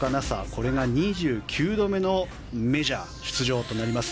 これが２９度目のメジャー出場となります。